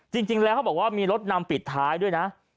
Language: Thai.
จริงแล้วเขาบอกว่ามีรถนำปิดท้ายด้วยนะ